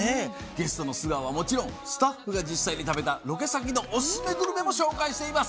ゲストの素顔はもちろんスタッフが実際に食べたロケ先のオススメグルメも紹介しています。